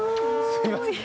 すみません